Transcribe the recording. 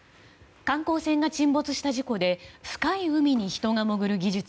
観光船が沈没した事故で深い海に人が潜る技術